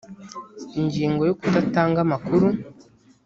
ingingo yo kudatanga amakuru